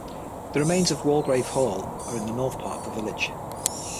The remains of Walgrave Hall are in the north part of the village.